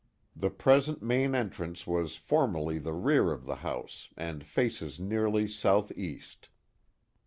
The present main entrance was form erly the rear of the house, and faces nearly southeast.